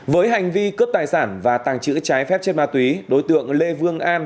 với hành vi cướp tài sản và tàng trữ trái phép chất ma túy đối tượng lê vương an